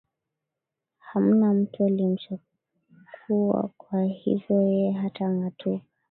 hamna mtu aliyemchakuwa kwa hivyo yeye hatang atuka